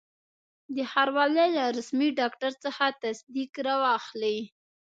د ښاروالي له رسمي ډاکټر څخه تصدیق را واخلئ.